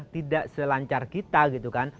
tidak selancar kita gitu kan